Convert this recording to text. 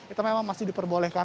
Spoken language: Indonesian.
itu memang masih diperbolehkan